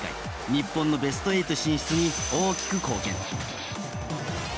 日本のベスト８進出に大きく貢献。